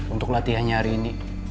untuk latihannya hari ini